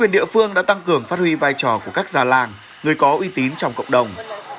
một mươi địa phương đã tăng cường phát huy vai trò của các già làng người có uy tín trong cộng đồng